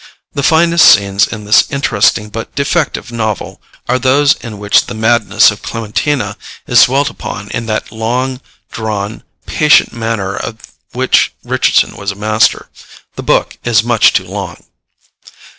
The finest scenes in this interesting but defective novel are those in which the madness of Clementina is dwelt upon in that long drawn patient manner of which Richardson was a master. The book is much too long.